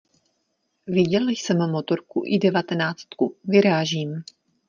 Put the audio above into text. Viděl jsem motorku i devatenáctku, vyrážím.